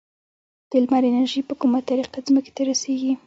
د لمر انرژي په کومه طریقه ځمکې ته رسیږي؟